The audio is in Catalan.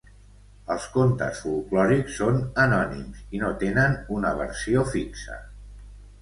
Els contes folklòrics són anònims i no tenen una versió fixa.